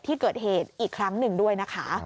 ที่เกิดเหตุอีกครั้งหนึ่งด้วยนะคะ